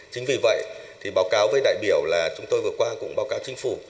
chính vì vậy thì báo cáo với đại biểu là chúng tôi vừa qua cũng báo cáo chính phủ